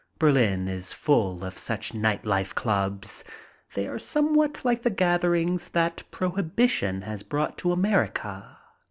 Berlin is full of such night life clubs. They are somewhat like the gatherings that prohibition has brought to America.